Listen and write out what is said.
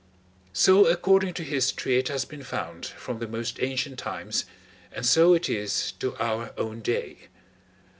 So according to history it has been found from the most ancient times, and so it is to our own day.